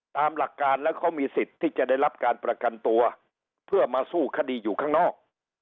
ตามหลักการแล้วเขามีสิทธิ์ที่จะได้รับการประกันตัวเพื่อมาสู้คดีอยู่ข้างนอก